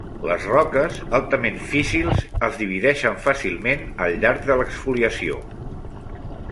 Les roques altament físsils es divideixen fàcilment al llarg de l'exfoliació.